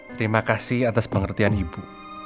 terima kasih atas pengertian ibu